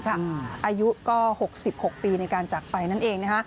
อายุก็๖๖ปีในการจักรไปนั่นเอง